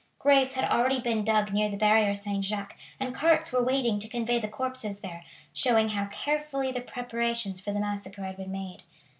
Graves had already been dug near the Barrier Saint Jacques and carts were waiting to convey the corpses there, showing how carefully the preparations for the massacre had been made.